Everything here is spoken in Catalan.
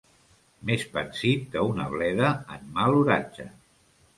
Més pansit que una bleda en mal oratge.